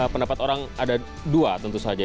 pendapat orang ada dua tentu saja